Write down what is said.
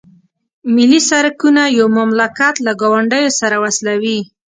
ملي سرکونه یو مملکت له ګاونډیو سره وصلوي